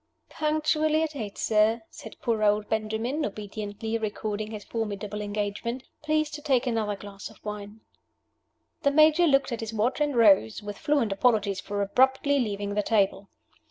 "Punctually at eight, sir," said poor old Benjamin, obediently recording his formidable engagement. "Please to take another glass of wine." The Major looked at his watch, and rose with fluent apologies for abruptly leaving the table.